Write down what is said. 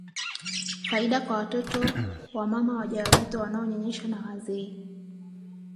Faida kwa watoto wamama wajawazito wanaonyonyesha na wazee